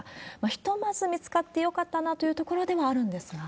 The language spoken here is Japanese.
ひとまず見つかってよかったなというところではあるんですが。